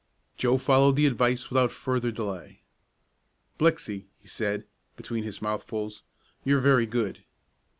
Joe followed the advice without further delay. "Blixey," he said, between his mouthfuls, "you're very good."